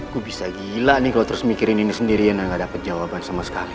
gue bisa gila nih kalau terus mikirin ini sendirian dan gak dapat jawaban sama sekali